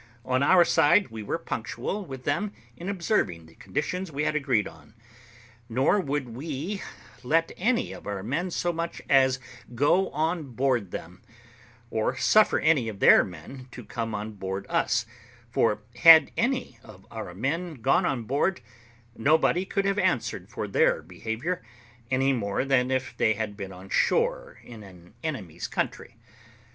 On our side, we were punctual with them in observing the conditions we had agreed on; nor would we let any of our men so much as go on board them, or suffer any of their men to come on board us; for, had any of our men gone on board, nobody could have answered for their behaviour, any more than if they had been on shore in an enemy's country.